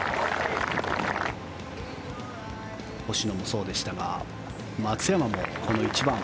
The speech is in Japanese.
星野もそうでしたが松山もこの１番